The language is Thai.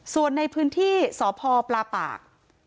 ส่วนในพื้นที่สพปลาปาก